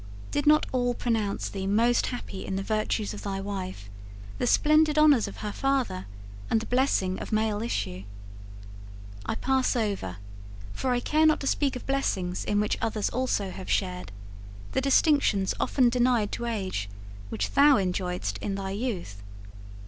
Did not all pronounce thee most happy in the virtues of thy wife, the splendid honours of her father, and the blessing of male issue? I pass over for I care not to speak of blessings in which others also have shared the distinctions often denied to age which thou enjoyedst in thy youth.